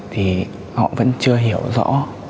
thì họ vẫn chưa hiểu rõ